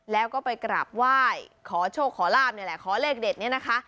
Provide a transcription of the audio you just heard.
แล้วก็ไปกราบไหว้ขอโชคขอลาบนี่แหละขอเลขเด็ดเนี่ยนะคะ